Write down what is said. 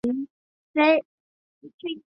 这些公式也可以用拉格朗日表示法来表示。